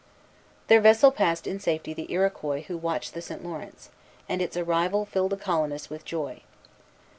Their vessel passed in safety the Iroquois who watched the St. Lawrence, and its arrival filled the colonists with joy.